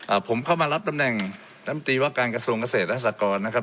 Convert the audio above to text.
ผมเข้ามารับตำแหน่งน้ำตรีว่าการกระทรวงเกษตรและสากรนะครับ